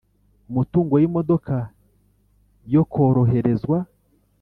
Umutungo w imodoka yo koroherezwa